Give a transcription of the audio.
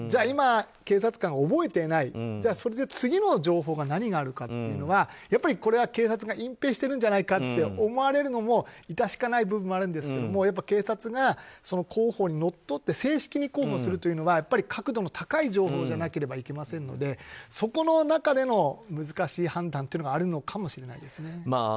今、警察官が覚えていないじゃあそれで次の情報が何になるかとなるとやっぱりこれは警察が隠ぺいしてるんじゃないかって思われるのも致し方ない部分もあるんですけど、警察が広報にのっとって正式に広報するというのは確度の高い情報じゃなければいけませんのでそこの中での難しい判断があるのかもしれないですね。